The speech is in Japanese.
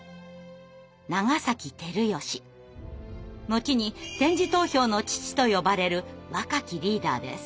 後に「点字投票の父」と呼ばれる若きリーダーです。